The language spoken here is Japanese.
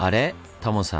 タモさん